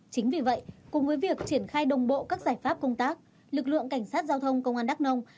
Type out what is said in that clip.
chính vì vậy cùng với việc triển khai đồng bộ các giải pháp công tác lực lượng cảnh sát giao thông công an đắk nông